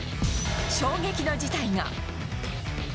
衝撃の事態が。